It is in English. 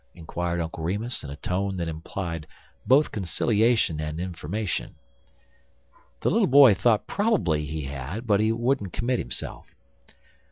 inquired Uncle Remus, in a tone that implied both conciliation and information. The little boy thought probably he had, but he wouldn't commit himself.